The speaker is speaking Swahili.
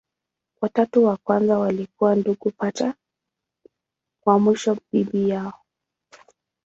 Watatu wa kwanza walikuwa ndugu pacha, wa mwisho bibi yao.